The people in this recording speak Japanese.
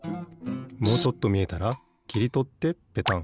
もうちょっとみえたらきりとってペタン。